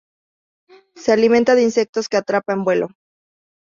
Se alimenta de insectos que atrapa en vuelo.